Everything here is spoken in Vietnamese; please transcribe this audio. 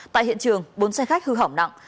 tại hiện trường bốn xe khách hư hỏng nặng